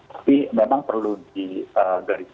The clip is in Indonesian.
tapi memang perlu digariskan